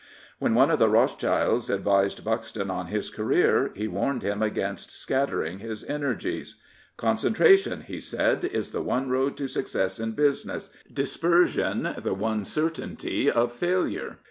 When one of the Rothschilds advised Buxton on his career, he warned him against scattering his energies. " G^ncentra tion," he said, is the one road to success in business; dispersion the one certainty of failure.